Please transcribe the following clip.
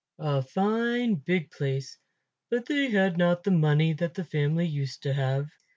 "A fine big place, but they had not the money that the family used to have."